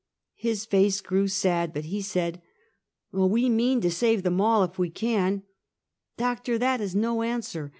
His face grew sad, but he said: " Oh, we mean to save them all if we can." " Doctor, that is no answer.